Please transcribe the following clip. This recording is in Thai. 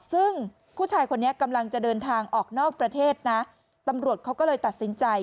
ซึ่งผู้ชายคนนี้กำลังจะเดินทางออกนอกประเทศนะตำรวจเขาก็เลยตัดสินใจ